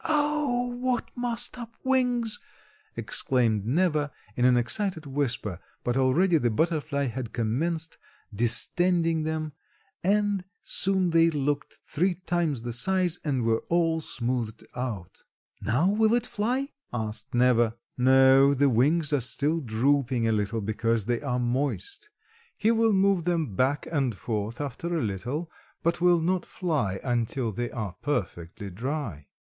"Oh, what mussed up wings!" exclaimed Neva in an excited whisper, but already the butterfly had commenced distending them and soon they looked three times the size and were all smoothed out. "Now will he fly?" asked Neva. "No, the wings are still drooping a little because they are moist; he will move them back and forth after a little, but will not fly until they are perfectly dry."